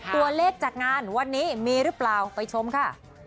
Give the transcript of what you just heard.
ตัวเลขจากงานวันนี้มีหรือเปล่าไปชมค่ะ